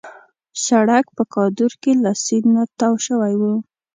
سړک په کادور کې له سیند نه تاو شوی وو.